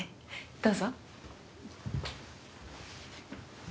どうぞ。